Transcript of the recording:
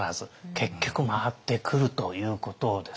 結局回ってくるということですね。